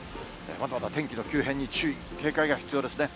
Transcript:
まだまだ天気の急変に注意、警戒が必要ですね。